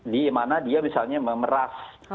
dimana dia misalnya memeras